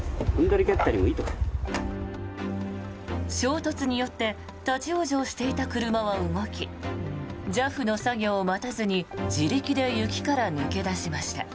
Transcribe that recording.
衝突によって立ち往生していた車は動きＪＡＦの作業を待たずに自力で雪から抜け出しました。